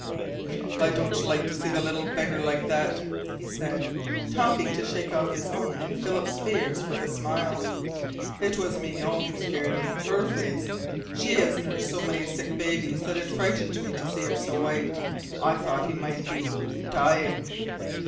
"I don't like to see the little beggar like that," he said, taking to shake off his own and Philip's fears with a smile. "It was Mignonne who scared me her face. She has nursed so many sick babies that it frightened me to see her so white. I thought he might be dying."